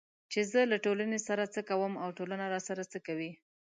چې زه له ټولنې سره څه کوم او ټولنه راسره څه کوي